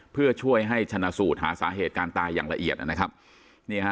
เพื่อช่วยให้ชนะสูตรหาสาเหตุการตายอย่างละเอียดนะครับนี่ฮะ